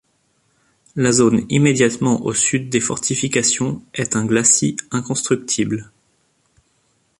La zone immédiatement au sud des fortifications est un glacis, inconstructible.